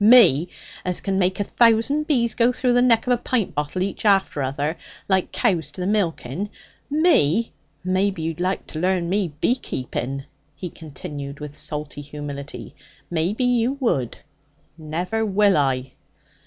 Me! As can make a thousand bees go through the neck of a pint bottle each after other, like cows to the milking! Me! Maybe you'd like to learn me beekeeping?' he continued with salty humility. 'Maybe you would! Never will I!'